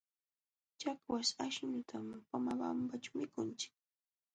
Chakwaśh akśhutam Pomabambaćhu mikunchik.